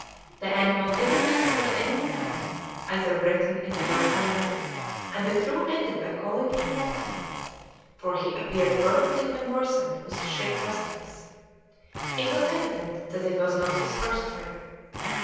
The animal did not answer to any name ever written in the dog calendar, and the crew ended by calling him Captain, for he appeared perfectly conversant with ship customs; it was evident that it was not his first trip.